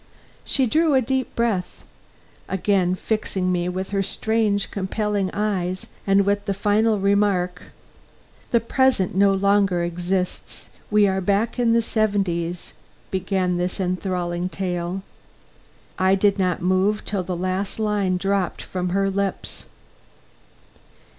She drew a deep breath; again fixed me with her strange, compelling eyes, and with the final remark: "The present no longer exists, we are back in the seventies " began this enthralling tale. I did not move till the last line dropped from her lips.